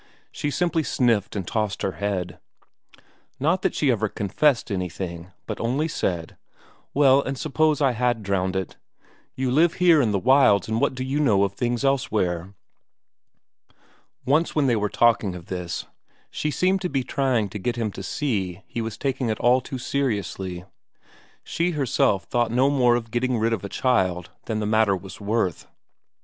She simply sniffed and tossed her head. Not that she ever confessed anything, but only said: "Well, and suppose I had drowned it? You live here in the wilds and what do you know of things elsewhere?" Once when they were talking of this, she seemed to be trying to get him to see he was taking it all too seriously; she herself thought no more of getting rid of a child than the matter was worth.